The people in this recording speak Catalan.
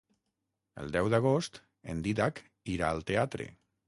El deu d'agost en Dídac irà al teatre.